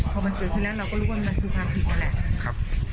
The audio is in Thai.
พอมันเกิดขึ้นแล้วเราก็รู้ว่ามันคือความผิดนั่นแหละ